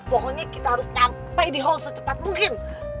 pokoknya kita harus sampai di hall secepat mungkin